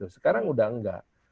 sekarang udah enggak